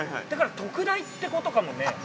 ◆だから特大ってことかもね。